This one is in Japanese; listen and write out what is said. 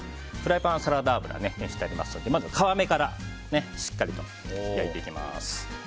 フライパンはサラダ油を熱してありますのでまず皮目からしっかりと焼いていきます。